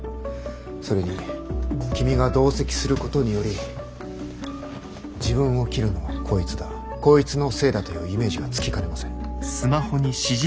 それに君が同席することにより自分を切るのはこいつだこいつのせいだというイメージがつきかねません。